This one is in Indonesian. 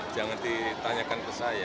jangan ditanyakan ke saya